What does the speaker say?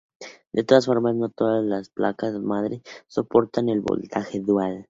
De todas formas, no todas las placas madre soportan el voltaje dual.